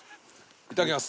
いただきます！